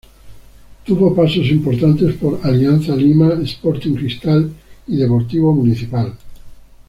Tuvo pasos importantes por Alianza Lima, Sporting Cristal y Deportivo Municipal.